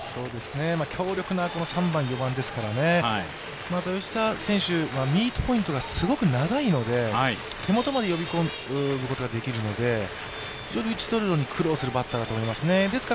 強力な３番、４番ですからねまた吉田選手、ミートポイントがすごく長いので手元まで呼び込むことができるので、非常に打ち取るのに苦労するバッターだと思いますね。